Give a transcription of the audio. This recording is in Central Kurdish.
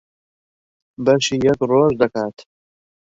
بەشی یەک ڕۆژ دەکات.